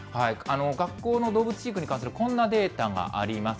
学校の動物飼育に関するこんなデータがあります。